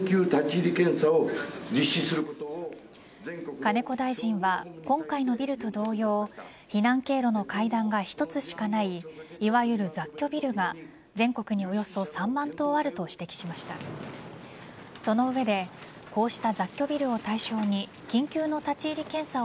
金子大臣は、今回のビルと同様避難経路の階段が１つしかないいわゆる雑居ビルが全国におよそ３万棟あると指摘しました。